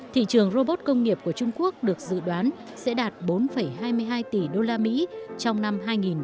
thị trường robot công nghiệp của trung quốc được dự đoán sẽ đạt bốn hai mươi hai tỷ đô la mỹ trong năm hai nghìn một mươi bảy